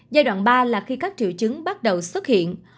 giai đoạn ba là khi các triệu chứng bắt đầu xuất hiện